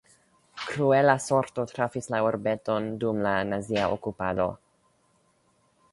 Kruela sorto trafis la urbeton dum la nazia okupado.